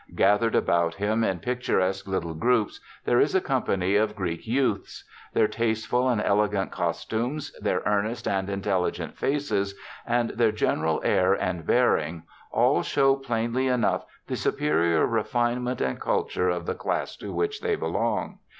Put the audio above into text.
Gathered about him, in picturesque little groups, there is a company of Greek youths. Their tasteful and elegant costumes, their earnest and intelligent faces, and their general air and bearing, all show plainly enough the superior refinement and culture of the class to which they belong.